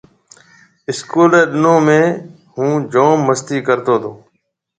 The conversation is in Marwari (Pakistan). اسڪول ريَ ڏنون ۾ هُون جوم مستِي ڪرتو تو۔